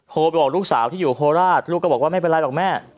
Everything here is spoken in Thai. โทรไปบอกลูกสาวที่อยู่โคราชลูกก็บอกว่าไม่เป็นไรหรอกแม่